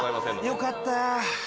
よかった。